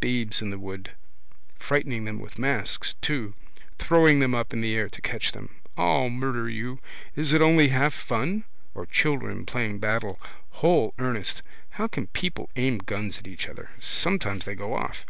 Babes in the wood. Frightening them with masks too. Throwing them up in the air to catch them. I'll murder you. Is it only half fun? Or children playing battle. Whole earnest. How can people aim guns at each other. Sometimes they go off.